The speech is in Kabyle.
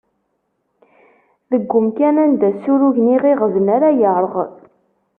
Deg umkan anda ssurugen iɣiɣden ara yerɣ.